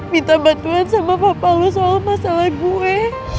minta bantuan sama papa lo soal masalah gue